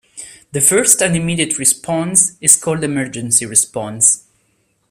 The first and immediate response is called emergency response.